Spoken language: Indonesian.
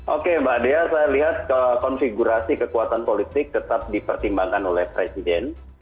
oke mbak dea saya lihat konfigurasi kekuatan politik tetap dipertimbangkan oleh presiden